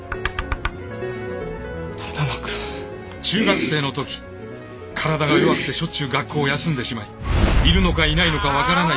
只野くん。中学生の時体が弱くてしょっちゅう学校を休んでしまいいるのかいないのか分からない